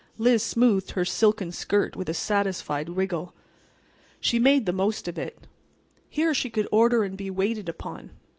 Liz smoothed her silken skirt with a satisfied wriggle. She made the most of it. Here she could order and be waited upon.